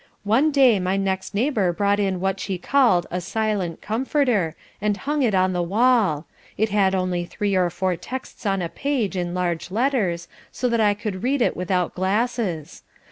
One day my next neighbour brought in what she called a 'Silent Comforter,' and hung it on the wall; it had only three or four texts on a page in large letters, so that I could read it without glasses.